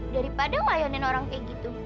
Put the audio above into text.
daripada melayani orang kayak gitu